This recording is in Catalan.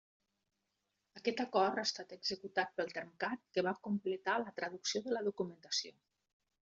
Aquest acord ha estat executat pel Termcat, que va completar la traducció de la documentació.